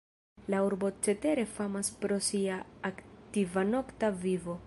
La urbo cetere famas pro sia aktiva nokta vivo.